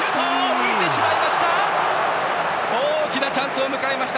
浮いてしまいました！